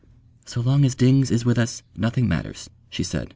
"So long as Dings is with us, nothing matters," she said.